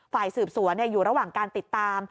ฝ่ายสืบสวนอยู่ระหว่างการติดตาม